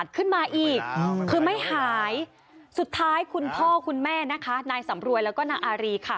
สุดท้ายสุดท้ายคุณพ่อคุณแม่นะคะนายสำรวยแล้วก็นางอารีค่ะ